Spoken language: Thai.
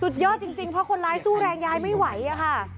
เยอะจริงเพราะคนร้ายสู้แรงยายไม่ไหวอะค่ะ